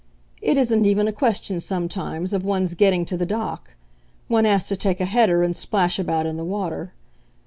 It isn't even a question, sometimes, of one's getting to the dock one has to take a header and splash about in the water.